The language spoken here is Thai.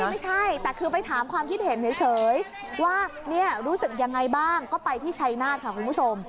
ไม่ใช่แต่คือไปถามความคิดเห็นเฉยว่ารู้สึกยังไงบ้างก็ไปที่ชัยนาธค่ะคุณผู้ชม